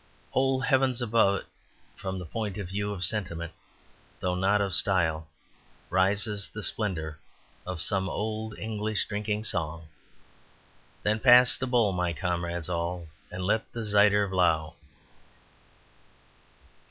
Whole heavens above it, from the point of view of sentiment, though not of style, rises the splendour of some old English drinking song "Then pass the bowl, my comrades all, And let the zider vlow."